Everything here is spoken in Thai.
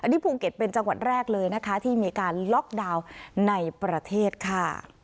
นี่ภูเก็ตเป็นจังหวัดแรกเลยนะคะที่มีการล็อกดาวน์ในประเทศค่ะ